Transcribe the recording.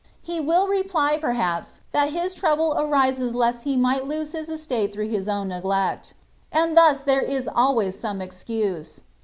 He will reply, perhaps, that his trouble arises lest he might lose his estate through his own neglect ; and thus there is always some excuse.